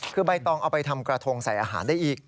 คือใบตองเอาไปทำกระทงใส่อาหารได้อีก